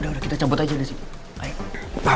kalau sampe citra atau putri dapet masalah